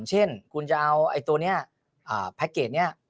เช่นคุณจะเอาไอ้ตัวเนี่ยแพ็คเกจเนี่ย